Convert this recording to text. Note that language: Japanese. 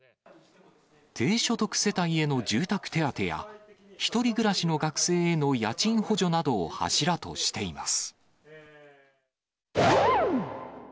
低所得世帯への住宅手当や、１人暮らしの学生への家賃補助などを柱としています。